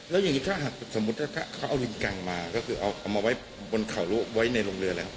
แล้วยังไงถ้าสมมติถ้าเขาเอาลิงกังมาก็คือเอามาไว้บนเขาไว้ในโรงเรียนอะไรครับ